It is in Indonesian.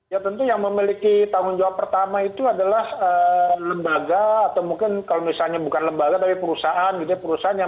ya tentu yang memiliki tanggung jawab pertama itu adalah lembaga atau mungkin kalau misalnya bukan lembaga tapi perusahaan gitu ya